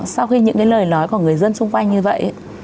sau khi những cái lời nói của người dân xung quanh như vậy